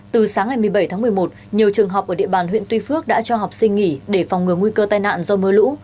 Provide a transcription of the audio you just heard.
từ sáng ngày một mươi bảy tháng một mươi một nhiều trường học ở địa bàn huyện tuy phước đã cho học sinh nghỉ để phòng ngừa nguy cơ tai nạn do mưa lũ